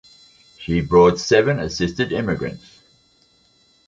She brought seven assisted immigrants.